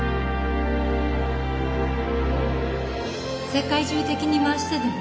世界中敵に回してでも